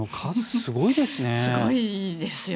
すごいですよね。